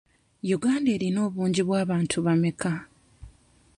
Uganda erina obungi bw'abantu bameka?